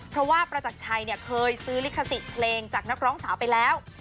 เพราะว่าประจักรชัยเคยซื้อลิขสิทธิ์เพลงจากนักร้องสาวไปแล้ว